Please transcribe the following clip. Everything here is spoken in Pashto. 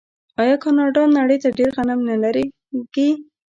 آیا کاناډا نړۍ ته ډیر غنم نه لیږي؟